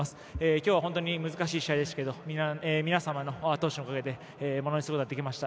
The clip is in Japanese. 今日は本当に難しい試合でしたけど皆様のあと押しのおかげでものにすることができました。